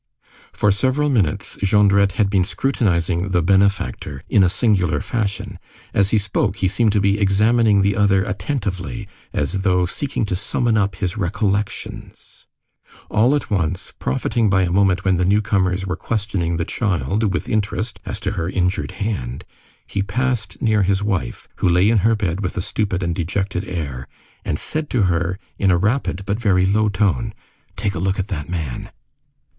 For several minutes, Jondrette had been scrutinizing "the benefactor" in a singular fashion. As he spoke, he seemed to be examining the other attentively, as though seeking to summon up his recollections. All at once, profiting by a moment when the newcomers were questioning the child with interest as to her injured hand, he passed near his wife, who lay in her bed with a stupid and dejected air, and said to her in a rapid but very low tone:— "Take a look at that man!"